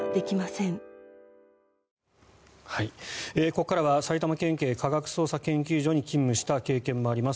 ここからは埼玉県警科学捜査研究所に勤務した経験もあります